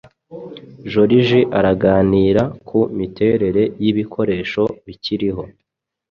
Joriji araganira ku miterere yibikoresho bikiriho